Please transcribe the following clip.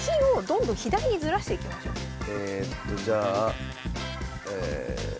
えっとじゃあえ。